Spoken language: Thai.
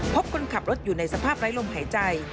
คนขับรถอยู่ในสภาพไร้ลมหายใจ